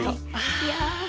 いや。